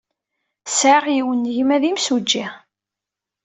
Sɛiɣ yiwen n gma d imsujji.